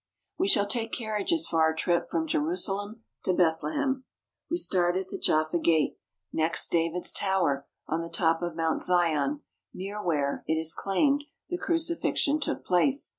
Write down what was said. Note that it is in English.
We shall take carriages for our trip from Jerusalem to Bethlehem. We start at the Jaffa Gate, next David's Tower, on the top of Mount Zion, near where, it is claimed, the Crucifixion took place.